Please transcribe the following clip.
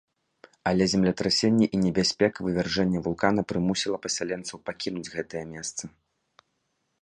Але землетрасенні і небяспека вывяржэння вулкана прымусіла пасяленцаў пакінуць гэтае месца.